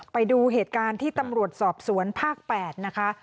ไปดูเหตุการณ์ที่ตำรวจสอบสวนภาค๘นะคะ